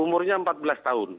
umurnya empat belas tahun